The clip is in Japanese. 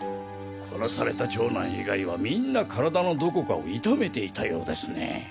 殺された長男以外はみんな体のどこかを痛めていたようですねぇ。